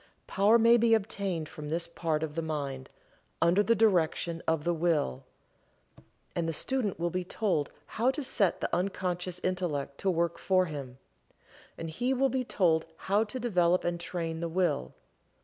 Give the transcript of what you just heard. Power may be obtained from this part of the mind, under the direction of the Will. And the student will be told how to set the unconscious Intellect to work for him. And he will be told how to develop and train the Will.